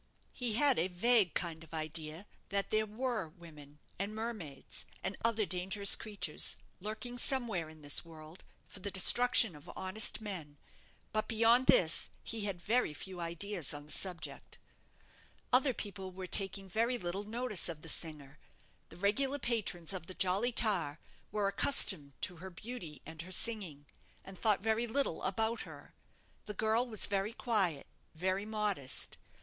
He had a vague kind of idea that there were women, and mermaids, and other dangerous creatures, lurking somewhere in this world, for the destruction of honest men; but beyond this he had very few ideas on the subject. Other people were taking very little notice of the singer. The regular patrons of the 'Jolly Tar' were accustomed to her beauty and her singing, and thought very little about her. The girl was very quiet, very modest.